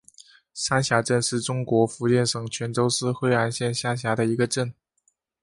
山霞镇是中国福建省泉州市惠安县下辖的一个镇。